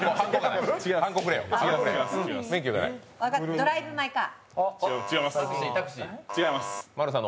「ドライブ・マイ・カー」。